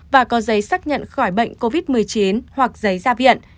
và có giấy xác nhận khỏi bệnh covid một mươi chín hoặc giấy ra viện